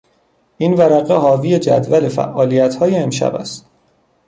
این ورقه حاوی جدول فعالیتهای امشب است.